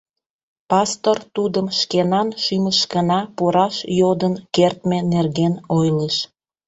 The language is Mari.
Пастор Тудым шкенан шӱмышкына пураш йодын кертме нерген ойлыш.